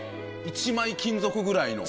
１枚金属ぐらいの。